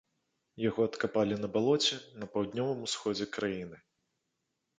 Яго адкапалі на балоце на паўднёвым усходзе краіны.